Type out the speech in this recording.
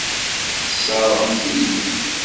Tesseṛɣemt-iyi-t.